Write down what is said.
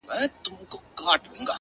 سپوږمۍ هغې ته په زاریو ویل ـ